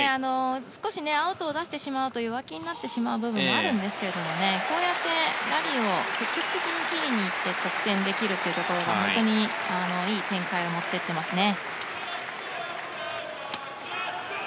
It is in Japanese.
少しアウトを出してしまうと弱気になってしまう部分もあるんですけれどもこうやってラリーを積極的に切りに行って得点できるというところが本当に、いい展開に持っていってますね。